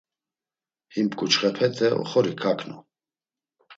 Him ǩuçxepete oxori kaǩnu.